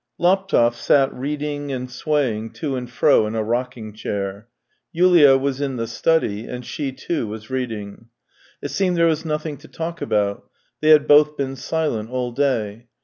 XV Laptev sat reading and swaying to and fro in a rocking chair; Yulia was in the study, and she, too, was reading. It seemed there was nothing to talk about; they had both been silent all day.